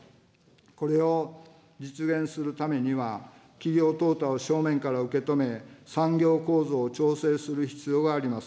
これを実現するためには、企業淘汰を正面から受け止め、産業構造を調整する必要があります。